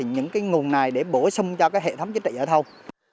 những nguồn này để bổ sung cho hệ thống chính trị ở thông